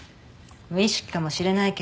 無意識かもしれないけど。